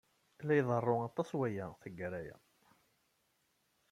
La iḍerru aṭas waya, tagara-a.